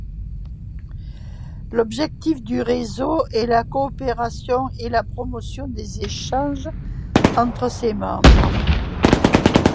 L’objectif du réseau est la coopération et la promotion des échanges entre ses membres.